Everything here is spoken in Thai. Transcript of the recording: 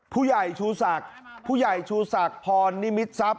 ผู้ใหญ่ชูศักดิ์ผู้ใหญ่ชูศักดิ์พรนิมิตทรัพย